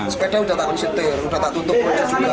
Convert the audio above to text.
sekedarnya sudah tak bisa diketir sudah tak tutup